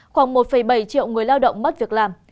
khoảng một bảy triệu người lao động mất việc làm